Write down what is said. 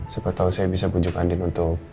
siapa tau saya bisa pujuk andin untuk